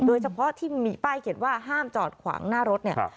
โดยเฉพาะที่มีป้ายเขียนว่าห้ามจอดขวางหน้ารถเนี่ย